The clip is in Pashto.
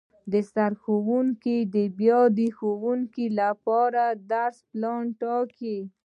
سرښوونکی بیا د ښوونکو لپاره درسي پلان ټاکي